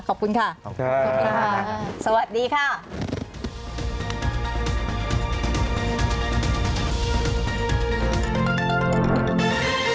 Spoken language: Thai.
ขอบคุณค่ะขอบคุณค่ะ